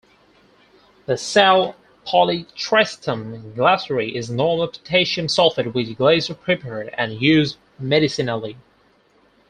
The "sal polychrestum Glaseri" is normal potassium sulfate which Glaser prepared and used medicinally.